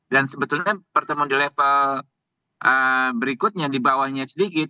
dan sebetulnya pertemuan di level berikutnya di bawahnya sedikit